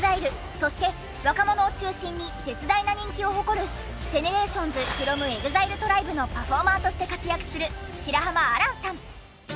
そして若者を中心に絶大な人気を誇るＧＥＮＥＲＡＴＩＯＮＳｆｒｏｍＥＸＩＬＥＴＲＩＢＥのパフォーマーとして活躍する白濱亜嵐さん。